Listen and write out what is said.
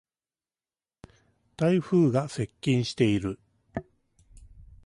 台風が接近している。